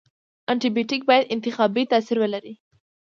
انټي بیوټیک باید انتخابي تاثیر ولري.